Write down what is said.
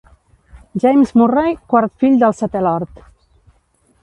James Murray, quart fill del setè Lord.